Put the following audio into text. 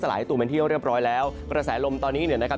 สลายให้ตัวมาที่ที่เรียบร้อยแล้วเกลษะลมตอนนี้เหนือนะครับ